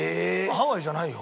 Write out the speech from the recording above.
ハワイじゃないよ。